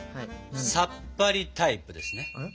さっぱりタイプですね？